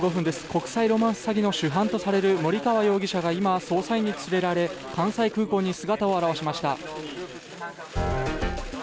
国際ロマンス詐欺の主犯とされる森川容疑者が今、捜査員に連れられ関西空港に姿を現しました。